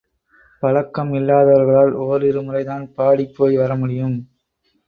பழக்கம் இல்லாதவர்களால் ஒரிரு முறைதான் பாடிப் போய் வர முடியும்.